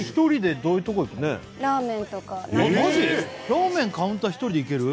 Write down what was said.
ラーメンカウンター１人でいける？